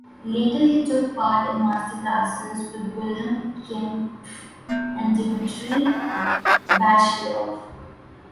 Later he took part in masterclasses with Wilhelm Kempff and Dmitri Bashkirov.